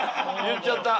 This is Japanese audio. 言っちゃった。